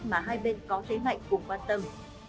mà hai bên có thế mạnh cùng quan tâm